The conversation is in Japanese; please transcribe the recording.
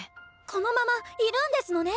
このままいるんですのね？